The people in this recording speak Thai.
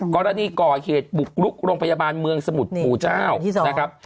กรณีก่อเหตุบุกลุกโรงพยาบาลเมืองสมุทรปู่เจ้านะครับ